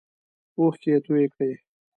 اوښکې یې تویی کړې.